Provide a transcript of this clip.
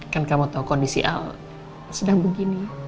kan kamu tahu kondisi al sedang begini